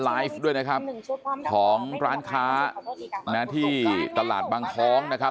ไลฟ์ด้วยนะครับของร้านค้านะที่ตลาดบางคล้องนะครับ